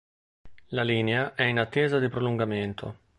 La linea è in attesa di prolungamento.